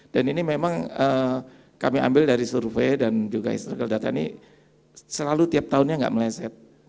dan ini memang kami ambil dari survei dan juga historical data ini selalu tiap tahunnya enggak meleset